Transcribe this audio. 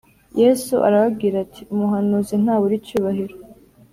Yesu arababwira ati: Umuhanuzi ntabura icyubahiro,